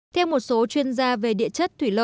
theo một số chuyên gia về địa chất